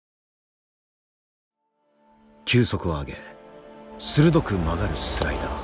球速を上げ鋭く曲がるスライダー。